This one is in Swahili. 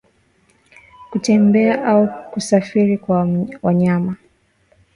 Kutembea au kusafirishwa kwa wanyama